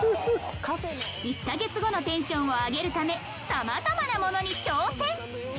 １カ月後のテンションを上げるため様々なものに挑戦！